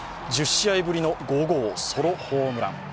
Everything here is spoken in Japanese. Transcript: １０試合ぶりの５号ソロホームラン。